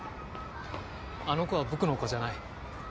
あの子は僕の子じゃない。